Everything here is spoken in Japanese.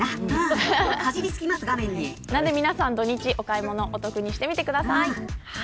皆さん土、日お得にお買い物してみてください。